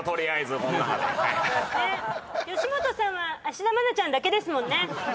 「吉本さんは芦田愛菜ちゃんだけですもんね」